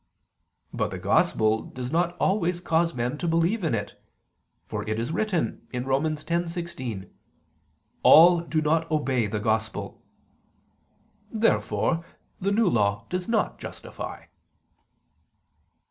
But the Gospel does not always cause men to believe in it: for it is written (Rom. 10:16): "All do not obey the Gospel." Therefore the New Law does not justify.